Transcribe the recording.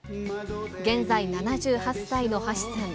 現在７８歳の橋さん。